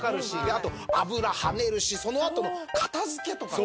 あと油はねるしその後の片付けとかが。